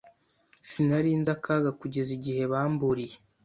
Sinari nzi akaga kugeza igihe bamburiye.